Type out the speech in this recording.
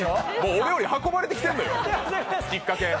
お料理運ばれてきてんのよ。